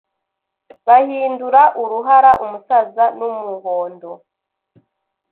bahindura uruhara umusaza numuhondo